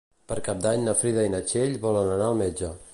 Per Cap d'Any na Frida i na Txell volen anar al metge.